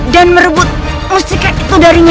dan merebut mustika itu darinya